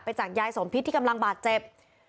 จากยายสมพิษที่กำลังบาดเจ็บ